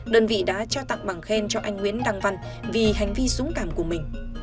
đơn vị đã trao tặng bằng khen cho anh nguyễn đăng văn vì hành vi dũng cảm của mình